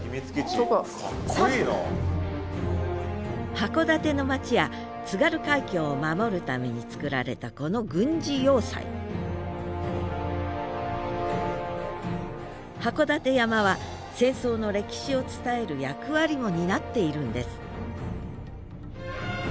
函館の町や津軽海峡を守るために造られたこの軍事要塞函館山は戦争の歴史を伝える役割も担っているんです